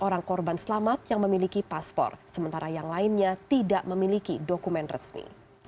orang korban selamat yang memiliki paspor sementara yang lainnya tidak memiliki dokumen resmi